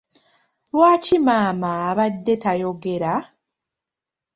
Lwaki maama abadde tayogera?